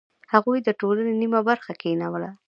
هغوی د ټولنې نیمه برخه کینوله.